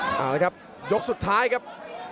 เอาละครับยกสุดท้ายครับ